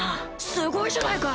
すごいじゃないか！